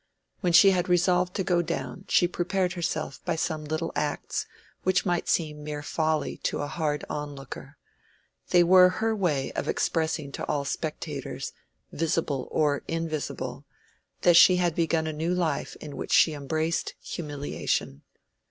When she had resolved to go down, she prepared herself by some little acts which might seem mere folly to a hard onlooker; they were her way of expressing to all spectators visible or invisible that she had begun a new life in which she embraced humiliation.